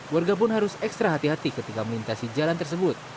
warga pun harus ekstra hati hati ketika melintasi jalan tersebut